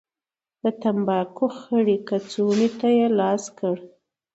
د تنباکو خړې کڅوړې ته يې لاس کړ.